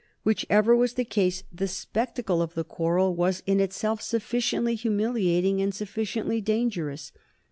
Whichever was the case, the spectacle of the quarrel was in itself sufficiently humiliating and sufficiently dangerous.